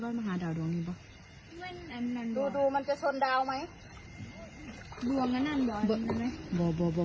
ดูมันจะชนดาวไหม